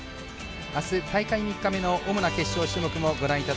あす大会３日目の主な決勝種目です。